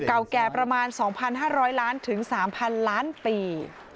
เก่าแก่ประมาณ๒๕๐๐ล้านถึง๓๐๐๐ล้านปี